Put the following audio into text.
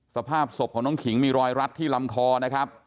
สภาพศพของน้องขิงมีรอยรัดที่ลำคอนะครับ